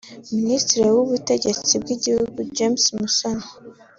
minisitiri w’ubutegetsi bw’igihugu James Musoni